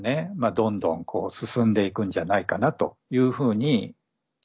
どんどんこう進んでいくんじゃないかなというふうに心配されるわけですね。